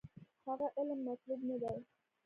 هغه علم مطلوب نه دی.